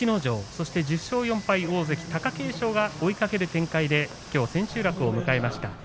そして１０勝４敗で大関貴景勝が追いかける展開で千秋楽を迎えました。